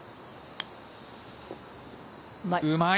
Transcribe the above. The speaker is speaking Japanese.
うまい。